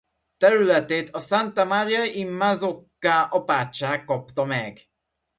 Területét a Santa Maria in Mazzocca-apátság kapta meg.